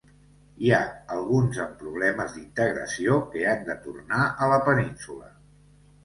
Hi ha alguns amb problemes d’integració que han de tornar a la península.